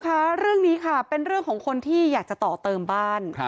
ค่ะเรื่องนี้ค่ะเป็นเรื่องของคนที่อยากจะต่อเติมบ้าน